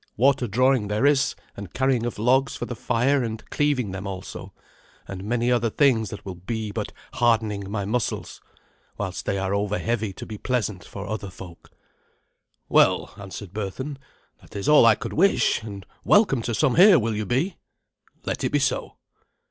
Water drawing there is, and carrying of logs for the fire, and cleaving them also, and many other things that will be but hardening my muscles, while they are over heavy to be pleasant for other folk." "Well," answered Berthun, "that is all I could wish, and welcome to some here will you be. Let it be so."